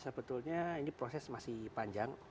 sebetulnya ini proses masih panjang